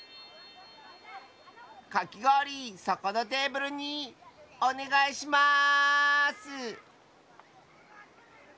かきごおりそこのテーブルにおねがいします！